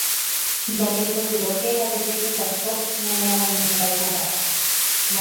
Jajetyvyróke ha jajepytaso ñane Avañeʼẽ rayhupápe.